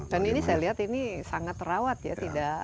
dan ini saya lihat ini sangat terawat ya tidak